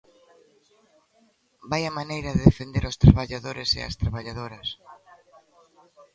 ¡Vaia maneira de defender os traballadores e as traballadoras!